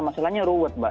masalahnya ruwet mbak